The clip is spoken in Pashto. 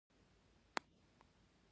اور دې بل شي زما پر غوښو، پر هډوکو